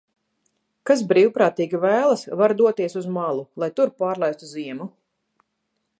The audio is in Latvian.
"Kas brīvprātīgi vēlas, var doties uz "malu", lai tur pārlaistu ziemu."